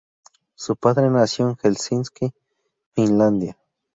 Su padre nació en Helsinki, Finlandia.